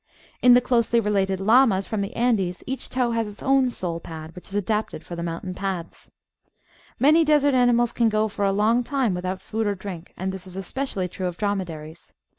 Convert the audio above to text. In the closely related Llamas from the Andes each toe has its own sole pad, which is adapted for the mountain ^aths. Many desert animals can go for a long time without food or drink, and this is especially true of dromedaries.